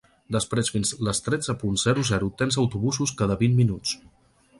Després fins les tretze punt zero zero tens autobusos cada vint minuts.